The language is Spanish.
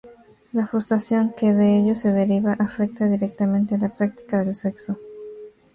La frustración que de ello se deriva afecta directamente a la práctica del sexo.